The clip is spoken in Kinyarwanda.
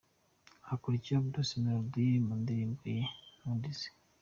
Hakurikiyeho Bruce Melody mu ndirimbo ye ’Ntundize’.